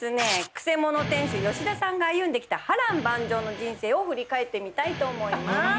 クセ者店主吉田さんが歩んできた波乱万丈の人生を振り返ってみたいと思います。